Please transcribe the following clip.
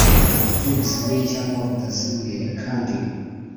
mu buryo buziguye cyangwa butaziguye kandi